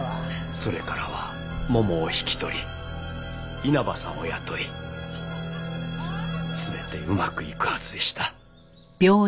それからはももを引き取り稲葉さんを雇い全てうまくいくはずでした。